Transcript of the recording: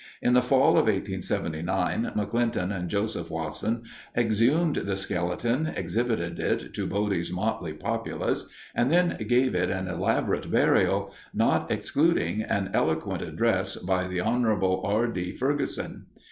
In the fall of 1879 McClinton and Joseph Wasson exhumed the skeleton, exhibited it to Bodie's motley populace, and then gave it an elaborate burial, not excluding an eloquent address by Hon. R. D. Ferguson.